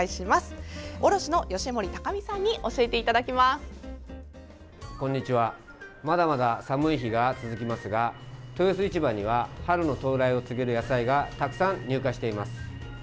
まだまだ寒い日が続きますが豊洲市場には春の到来を告げる野菜がたくさん入荷しています。